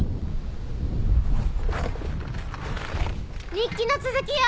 日記の続きよ！